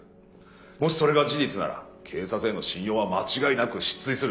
もしそれが事実なら警察への信用は間違いなく失墜する。